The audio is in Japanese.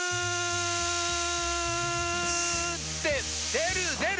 出る出る！